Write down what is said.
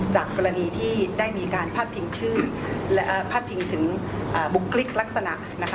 จากกรณีที่ได้มีการพาดพิงชื่อและพาดพิงถึงบุคลิกลักษณะนะคะ